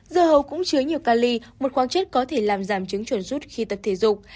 dưa hấu cũng chứa nhiều cali một khoáng chất có thể làm giảm chứng chuồn rút khi tập thể dục